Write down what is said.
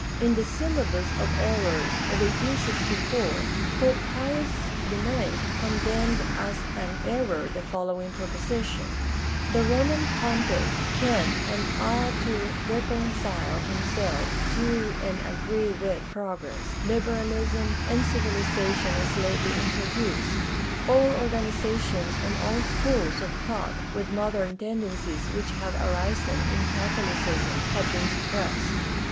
In the Syllabus of Errors of 1864 Pope Pius IX condemned as an error the following proposition: "The Roman Pontifif can and ought to reconcile himself to and agree with progress, liberalism, and civilization as lately introduced." All or ganizations and all schools of thought with modern tend encies which have arisen in Catholicism have been suppressed.